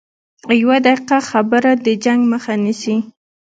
یوه دقیقه خبره د جنګ مخه نیسي